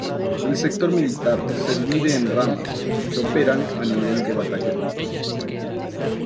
El sector militar se divide en ramas, que operan a nivel de batallón.